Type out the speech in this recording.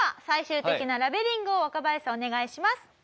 最終的なラベリングを若林さんお願いします。